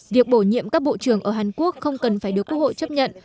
việc bổ nhiệm các bộ trưởng ở hàn quốc không cần phải được quốc hội chấp nhận